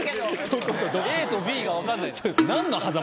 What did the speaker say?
ＡとＢが分かんない。